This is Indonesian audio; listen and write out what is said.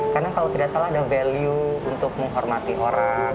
karena kalau tidak salah ada value untuk menghormati orang